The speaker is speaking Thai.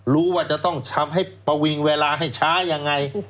รู้ว่าจะต้องทำให้ประวิงเวลาให้ช้ายังไง